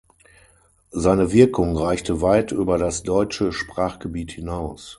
Seine Wirkung reichte weit über das deutsche Sprachgebiet hinaus.